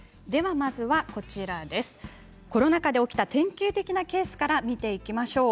まずはコロナ禍で起きた典型的なケースから見ていきましょう。